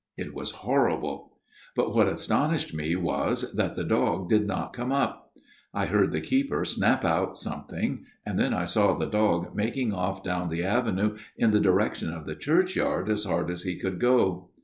It was horrible ! But what astonished me was that the dog did not come up. I heard the keeper snap out something, and then I saw the dog making off down the avenue in the direction of the churchyard as hard as he could go.